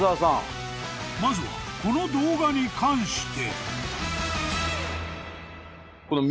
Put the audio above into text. ［まずはこの動画に関して］